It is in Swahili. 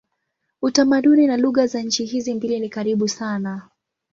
Utamaduni na lugha za nchi hizi mbili ni karibu sana.